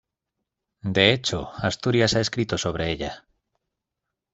De hecho, Asturias ha escrito sobre ella.